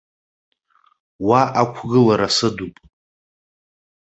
Уа ақәгылара сыдуп.